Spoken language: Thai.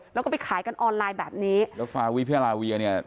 แล้วก็ไปขายกันออนไลน์แบบนี้แล้วฟาวิพิราเวียเนี่ย